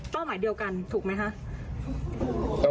หมายเดียวกันถูกไหมคะ